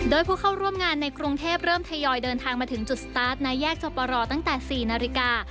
โดยผู้เข้าร่วมงานในกรุงเทพเริ่มทยอยเดินทางมาถึงจุดสตาร์ทในแยกสปรตั้งแต่๔นาฬิกา